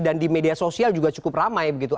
dan di media sosial juga cukup ramai begitu